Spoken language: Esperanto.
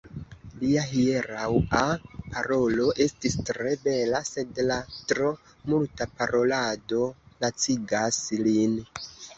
Lia hieraŭa parolo estis tre bela, sed la tro multa parolado lacigas lin.